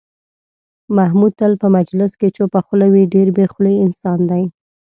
محمود تل په مجلس کې چوپه خوله وي، ډېر بې خولې انسان دی.